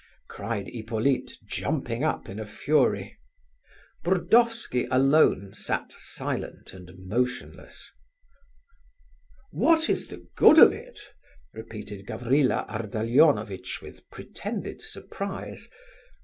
cried Hippolyte, jumping up in a fury. Burdovsky alone sat silent and motionless. "What is the good of it?" repeated Gavrila Ardalionovitch, with pretended surprise.